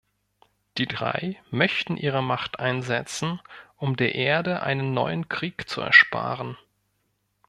Die Drei möchten ihre Macht einsetzen, um der Erde einen neuen Krieg zu ersparen.